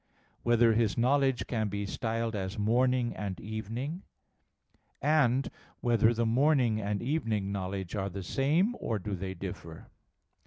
(6) Whether his knowledge can be styled as morning and evening? (7) Whether the morning and evening knowledge are the same, or do they differ?